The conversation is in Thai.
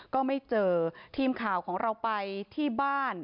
ก็ไม่เจอทีมข่าวของเราไปที่บ้าน